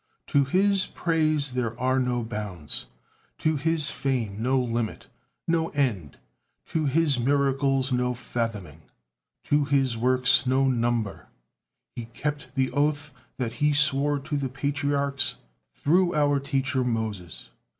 To His praise there are no bounds; to His fame no limit, no end; to His miracles no fathoming; to His works no number. He kept the oath that He swore to the Patriarchs, through our teacher Moses.